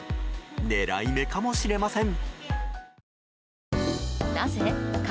狙い目かもしれません。